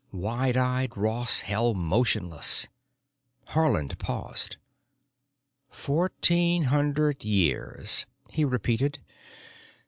Wide eyed, Ross held motionless. Haarland paused. "Fourteen hundred years," he repeated.